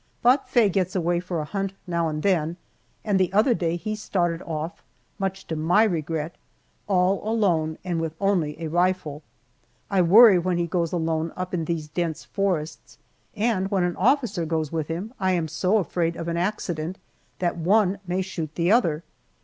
But Faye gets away for a hunt now and then, and the other day he started off, much to my regret, all alone and with only a rifle. I worry when he goes alone up in these dense forests, and when an officer goes with him I am so afraid of an accident, that one may shoot the other.